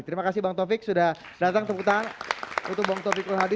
terima kasih bang taufik sudah datang teguh taufik lohadi